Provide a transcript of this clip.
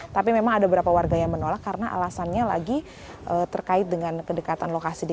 tapi memang ada beberapa warga yang menolak karena alasannya lagi terkait dengan kedekatan lokasi di